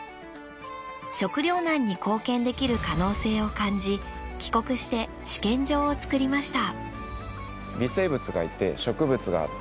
食糧難に貢献できる可能性を感じ帰国して試験場を作りました。